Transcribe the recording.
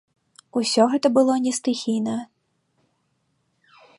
Усе гэта было не стыхійна.